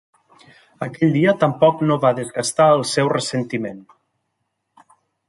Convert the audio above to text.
Aquell dia tampoc no va desgastar el seu ressentiment.